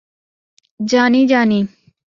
জানি জানি।